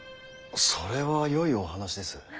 それはよいお話です。